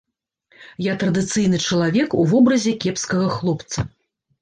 Я традыцыйны чалавек у вобразе кепскага хлопца.